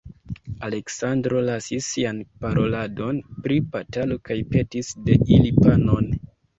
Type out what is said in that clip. Aleksandro lasis sian paroladon pri batalo kaj petis de ili panon.